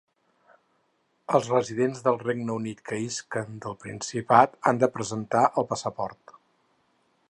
Els residents del Regne Unit que isquen del Principat han de presentar el passaport.